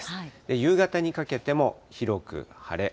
夕方にかけても広く晴れ。